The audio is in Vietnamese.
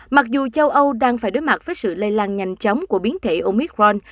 mặc dù châu âu đang phải đối mặt với sự lây lan nhanh chóng của biến thể omicron